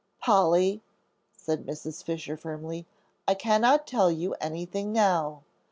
"Polly," said Mrs. Fisher, firmly, "I cannot tell you anything now.